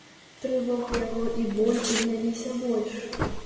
Трывога яго і боль узняліся больш.